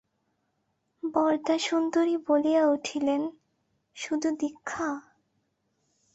বরদাসুন্দরী বলিয়া উঠিলেন, শুধু দীক্ষা?